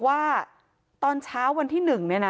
ความปลอดภัยของนายอภิรักษ์และครอบครัวด้วยซ้ำ